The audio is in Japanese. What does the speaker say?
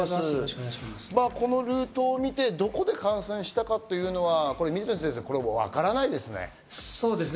このルートを見てどこで感染したか、水野先生、わからないですね。